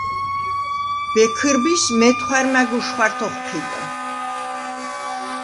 ბექჷრბის მეთხვა̈რ მა̈გ უშხვა̈რთ’ოხჴიდა.